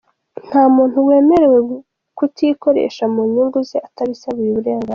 Ntamuntu wemerewe kutikoresha mu nyungu ze atabisabiye uburenganzira.